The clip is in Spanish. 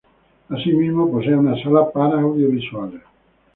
Asimismo, posee una sala para audiovisuales.